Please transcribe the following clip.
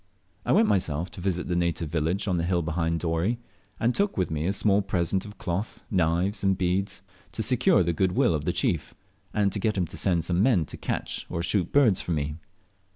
I went myself to visit the native village on the hill behind Dorey, and took with me a small present of cloth, knives, and beads, to secure the good will of the chief, and get him to send some men to catch or shoot birds for me.